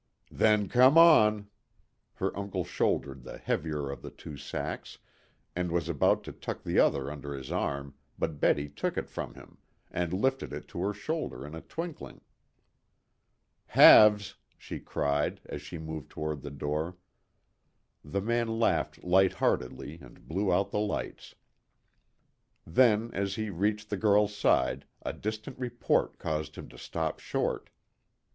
"Then come on." Her uncle shouldered the heavier of the two sacks, and was about to tuck the other under his arm, but Betty took it from him, and lifted it to her shoulder in a twinkling. "Halves," she cried, as she moved toward the door. The man laughed light heartedly and blew out the lights. Then, as he reached the girl's side, a distant report caused him to stop short.